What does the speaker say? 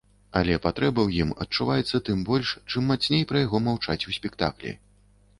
Але патрэба ў ім адчуваецца тым больш, чым мацней пра яго маўчаць у спектаклі.